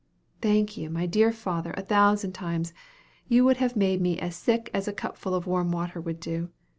"Thank you, my dear father, a thousand times. It would have made me as sick as a cup full of warm water would do.